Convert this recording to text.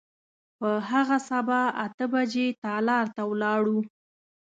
په هغه سبا اته بجې تالار ته ولاړو.